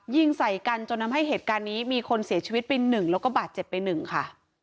ยิงใส่กันจนทำให้เหตุการณ์นี้มีคนเสียชีวิตไปหนึ่งแล้วก็บาดเจ็บไปหนึ่งค่ะ